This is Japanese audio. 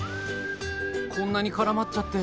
こんなに絡まっちゃって。